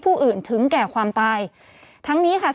ผู้ต้องหาที่ขับขี่รถจากอายานยนต์บิ๊กไบท์